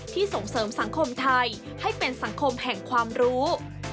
ส่งเสริมสังคมไทยให้เป็นสังคมแห่งความรู้